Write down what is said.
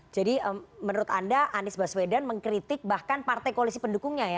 jadi menurut anda anies baswedan mengkritik bahkan partai koalisi pendukungnya ya